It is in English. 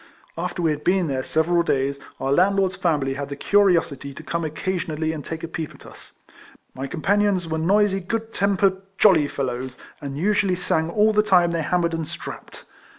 After we had been there several days, our landlord's family had the curiosity to come occasionally and take a peep at us. My 102 RECOLLECTIONS OF companions were noisy, good tempered, jolly fellows, and usually sang all the time they hammered and strapped.